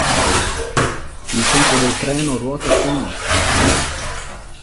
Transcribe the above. Il centro del treno ruota su un asse.